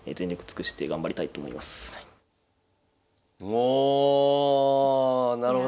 おおなるほど。